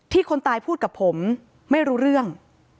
คนตายพูดกับผมไม่รู้เรื่อง